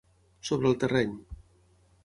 Sobre el terreny.